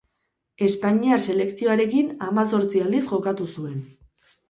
Espainiar selekzioarekin hamazortzi aldiz jokatu zuen.